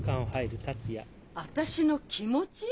・私の気持ち？